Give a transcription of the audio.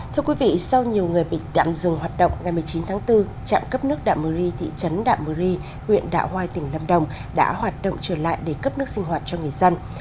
thưa quý vị sau nhiều người bị đạm dừng hoạt động ngày một mươi chín tháng bốn trạm cấp nước đạm mưu ri thị trấn đạ mơ ri huyện đạ hoai tỉnh lâm đồng đã hoạt động trở lại để cấp nước sinh hoạt cho người dân